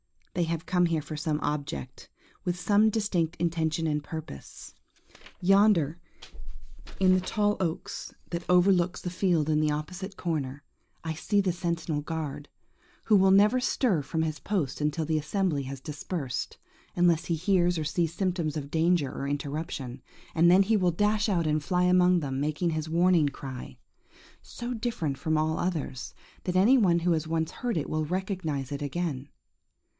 They have come here for some object,–with some distinct intention and purpose. Yonder, in the tall oak that overlooks the field in the opposite corner, I see the sentinel guard, who will never stir from his post until the assembly has dispersed, unless he hears or sees symptoms of danger or interruption, and then he will dash out and fly among them, making his warning cry, so different from all others, that any one who has once heard it will recognize it again.